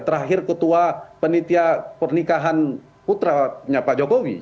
terakhir ketua penitia pernikahan putranya pak jokowi